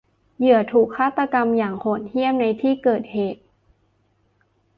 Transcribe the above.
เหยื่อถูกฆาตกรรมอย่างโหดเหี้ยมในที่เกิดเหตุ